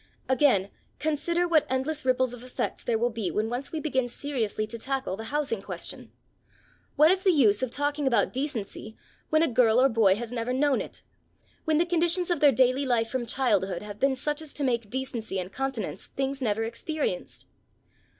Again, consider what endless ripples of effects there will be when once we begin seriously to tackle the housing question. What is the use of talking about decency, when a girl or boy has never known it? When the conditions of their daily life from childhood have been such as to make decency and continence things never experienced?